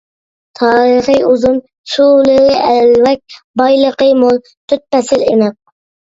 تارىخى ئۇزۇن، سۇلىرى ئەلۋەك، بايلىقى مول، تۆت پەسىل ئېنىق.